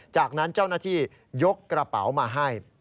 จากนั้นเจ้าหน้าที่ยกกระเป๋ามาให้